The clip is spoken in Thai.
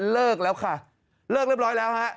แล้วเลิกแล้วค่ะ